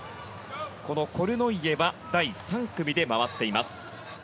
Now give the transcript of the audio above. このコルノイエは第３組で回っています。